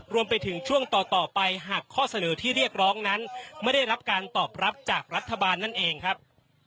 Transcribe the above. รวมไปถึงช่วงต่อไปหากข้อเสนอที่เรียกร้องนั้นไม่ได้รับการตอบรับจากรัฐบาลนั่นเองครับ